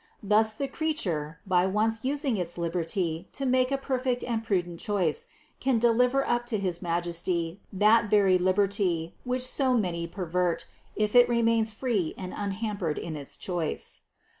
Thus the creature, by once using its liberty to make a perfect and prudent choice, can deliver up to his Majesty that very liberty, which so many pervert, if it remains free and unhampered in its choice.